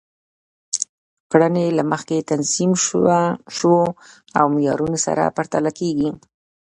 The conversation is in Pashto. کړنې له مخکې تنظیم شوو معیارونو سره پرتله کیږي.